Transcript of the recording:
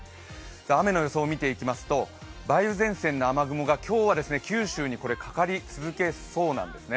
雨の予想を見ていきますと、梅雨前線の雨雲が、今日は九州にかかり続けそうなんですね。